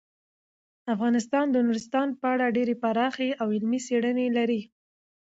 افغانستان د نورستان په اړه ډیرې پراخې او علمي څېړنې لري.